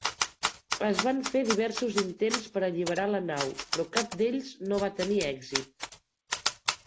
Es van fer diversos intents per alliberar la nau, però cap d'ells no va tenir èxit.